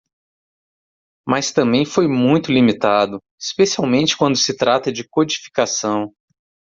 Mas também foi muito limitado?, especialmente quando se trata de codificação.